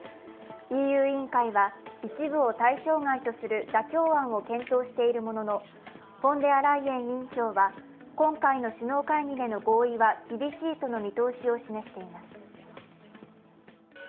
ＥＵ委員会は一部を対象外とする妥協案を検討しているものの、フォンデアライエン委員長は今回の首脳会議での合意は厳しいとの見通しを示しています。